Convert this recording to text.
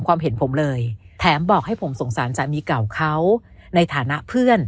ความเห็นผมเลยแถมบอกให้ผมสงสารสามีเก่าเขาในฐานะเพื่อน